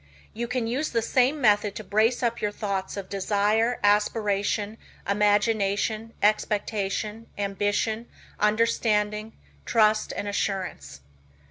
You can use the same method to brace up your thoughts of desire, aspiration, imagination, expectation, ambition, understanding, trust and assurance.